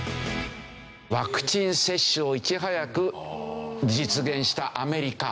ワクチン接種をいち早く実現したアメリカ。